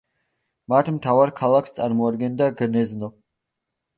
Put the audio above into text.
მათ მთავარ ქალაქს წარმოადგენდა გნეზნო.